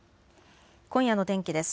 今夜の天気です。